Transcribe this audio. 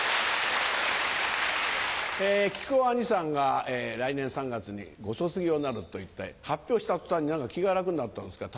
木久扇兄さんが来年３月にご卒業になるといって発表した途端に気が楽になったんですかね